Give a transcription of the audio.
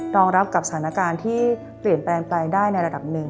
รองรับกับสถานการณ์ที่เปลี่ยนแปลงไปได้ในระดับหนึ่ง